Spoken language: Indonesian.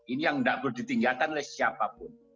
ini yang tidak perlu ditinggalkan oleh siapapun